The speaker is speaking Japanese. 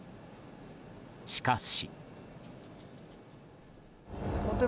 しかし。